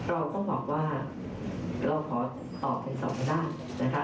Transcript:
เราก็บอกว่าเราขอตอบเป็นสองก็ได้นะคะ